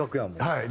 はい。